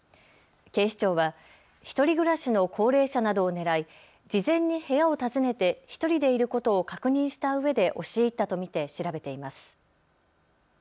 警視庁は１人暮らしの高齢者などを狙い、事前に部屋を訪ねて１人でいることを確認したうえで押し入ったと見て調べています。